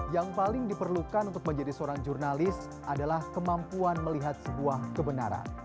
yang paling diperlukan untuk menjadi seorang jurnalis adalah kemampuan melihat sebuah kebenaran